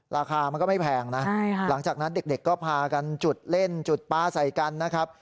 ราคามันก็ไม่แพงนะหลังจากนั้นเด็กก็พากันจุดเล่นจุดปลาใส่กันนะครับ